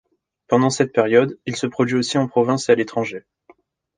Pendant cette période, il se produit aussi en province et à l'étranger.